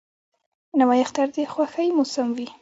نوی اختر د خوښۍ موسم وي